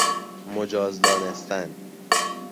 مجاز دانستن